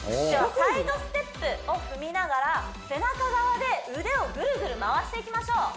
サイドステップを踏みながら背中側で腕をぐるぐる回していきましょ